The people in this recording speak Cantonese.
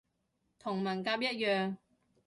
同文革一樣